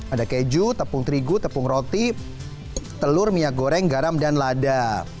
ada keju tepung terigu tepung roti telur minyak goreng garam dan lada